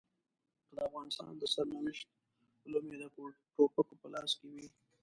که د افغانستان د سرنوشت لومې د ټوپکو په لاس کې وي.